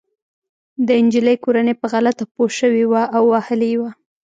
د انجلۍ کورنۍ په غلطه پوه شوې وه او وهلې يې وه